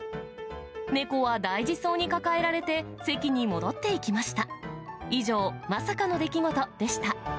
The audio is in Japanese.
猫は大事そうに抱えられて、席に戻っていきました。